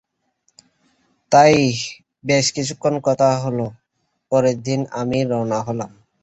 তাই, বেশ কিছুক্ষণ কথা হল, পরের দিন আমি রওয়ানা হলাম।